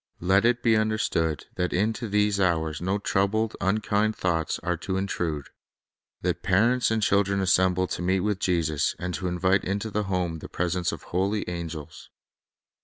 Let it be understood that into these hours no troubled, unkind thoughts are to intrude; that parents and chil dren assemble to meet with Jesus, and to invite into the home the presence of holy angels.